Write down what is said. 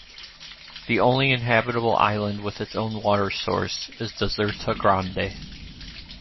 The only inhabitable island, with its own water source, is Deserta Grande.